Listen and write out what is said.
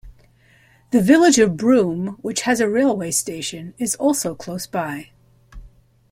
The village of Broome, which has a railway station, is also close by.